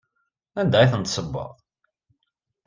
Anda ay ten-tessewweḍ?